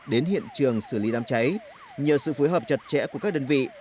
đến hiện trường xử lý đám cháy nhờ sự phối hợp chặt chẽ của các đơn vị